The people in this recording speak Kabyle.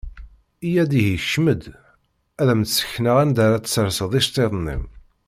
Yya-d ihi kcem-d, ad am-d-sekneɣ anda ara tserseḍ iceṭṭiḍen-im.